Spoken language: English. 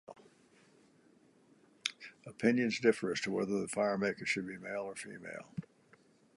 Opinions differ as to whether the fire-makers should be male or female.